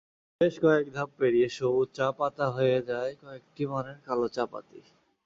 বেশ কয়েক ধাপ পেরিয়ে সবুজ চা-পাতা হয়ে যায় কয়েকটি মানের কালো চা-পাতি।